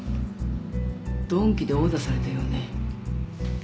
鈍器で殴打されたようね。